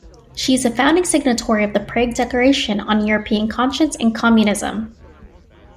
She is a founding signatory of the Prague Declaration on European Conscience and Communism.